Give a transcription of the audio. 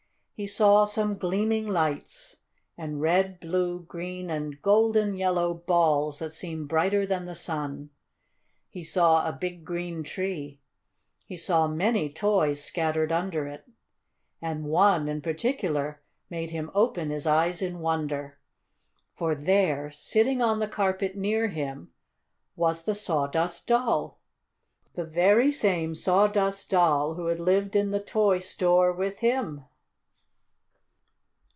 He saw some gleaming lights and red, blue, green and golden yellow balls that seemed brighter than the sun. He saw a big, green tree. He saw many toys scattered under it. And one, in particular, made him open his eyes in wonder. For there, sitting on the carpet near him, was the Sawdust Doll! The very same Sawdust Doll who had lived in the toy store with him!